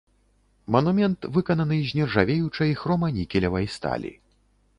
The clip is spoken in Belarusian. Манумент выкананы з нержавеючай хроманікелевай сталі.